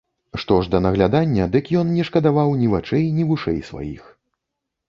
Што ж да наглядання, дык ён не шкадаваў ні вачэй, ні вушэй сваіх.